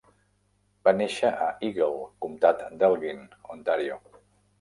Va néixer a Eagle, comtat d'Elgin, Ontario.